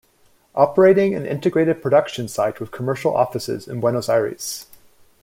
Operating an integrated production site with commercial offices in Buenos Aires.